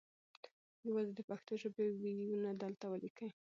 یوازې د پښتو ژبې وییونه دلته وليکئ